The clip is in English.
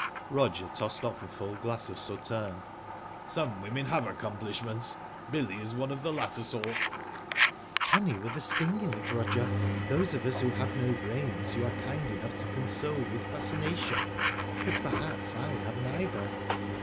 Roger tossed off a full glass of Sauterne. "Some women have accomplishments. Billy is one of the latter sort." "Honey with a sting in it, Roger. Those of us who have no brains you are kind enough to console with fascination. But perhaps I have neither."